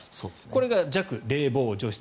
これが弱冷房除湿。